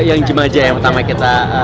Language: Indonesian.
yang jemaja yang pertama kita